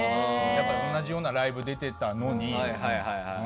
同じようなライブ出てたのに。